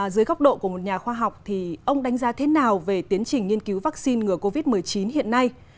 dưới góc độ của một nhà khoa học ông đánh giá thế nào về tiến trình nghiên cứu vaccine ngừa covid một mươi chín hiện nay